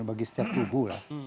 bagi setiap kubu lah